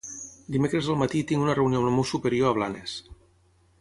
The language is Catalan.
Dimecres al matí tinc una reunió amb el meu superior a Blanes.